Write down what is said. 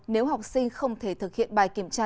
nếu học sinh không thể thực hiện bài kiểm tra